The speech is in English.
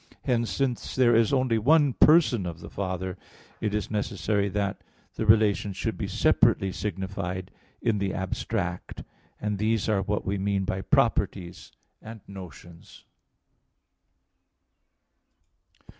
Hence, since there is only one Person of the Father, it is necessary that the relations should be separately signified in the abstract; and these are what we mean by properties and notions.